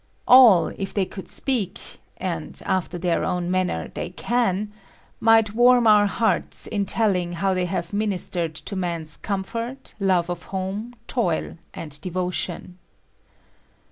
All, if they could speak (and after their own man ner they can), might warm our hearts in telling how they have ministered to man's oomfort, love of home, toil, and devotion.